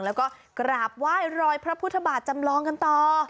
แล้วก็กราบไหว้รอยพระพุทธบาทจำลองกันต่อ